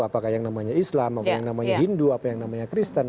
apakah yang namanya islam apa yang namanya hindu apa yang namanya kristen